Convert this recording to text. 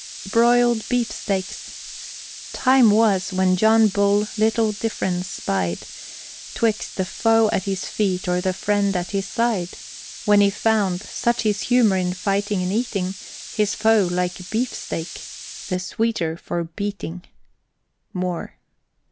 BROILED BEEFSTEAKS. Time was, when John Bull little difference spied 'Twixt the foe at his feet or the friend at his side; When he found, such his humor in fighting and eating, His foe, like beefsteak, the sweeter for beating. MOORE.